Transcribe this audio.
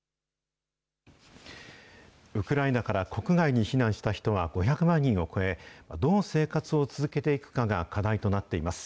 ウクライナから国外に避難した人は５００万人を超え、どう生活を続けていくかが課題となっています。